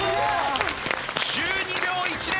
１２秒１０！